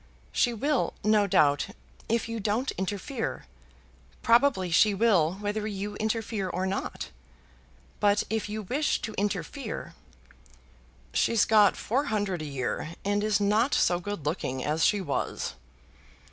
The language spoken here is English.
"She will no doubt, if you don't interfere. Probably she will whether you interfere or not. But if you wish to interfere " "She's got four hundred a year, and is not so good looking as she was."